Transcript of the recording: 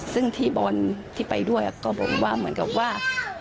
ซึ่งพี่บอลที่ไปด้วยก็บอกว่าเหมือนกับว่า